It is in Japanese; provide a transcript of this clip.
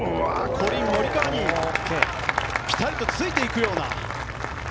コリン・モリカワにピタリとついていくような。